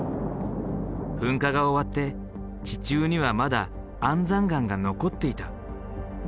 噴火が終わって地中にはまだ安山岩が残っていた。